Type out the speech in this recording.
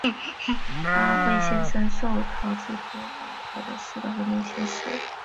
阿辉先生受陶之托将陶的诗稿和年轻时的相片交给建安。